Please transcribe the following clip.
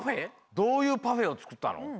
どういうパフェをつくったの？